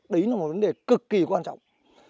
đấy là một vấn đề cực kỳ quan trọng